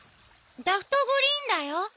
ダフトグリーンだよあ？